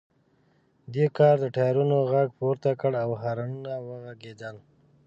دې کار د ټایرونو غږ پورته کړ او هارنونه وغږیدل